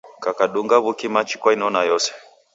Kukadunga w'uki machi kwainona yose.